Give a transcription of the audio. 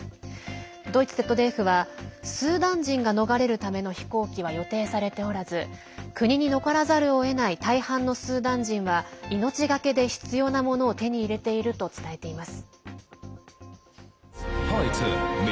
ドイツＺＤＦはスーダン人が逃れるための飛行機は予定されておらず国に残らざるをえない大半のスーダン人は命懸けで必要なものを手に入れていると伝えています。